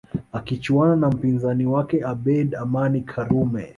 Akichuana na mpinzani wake Abeid Amani Karume